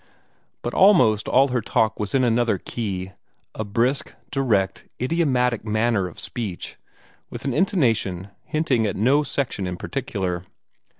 But almost all her talk was in another key a brisk, direct, idiomatic manner of speech, with an intonation hinting at no section in particular.